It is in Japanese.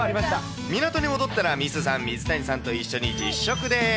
港に戻ったら、みーすーさん、水谷さんと一緒に実食です。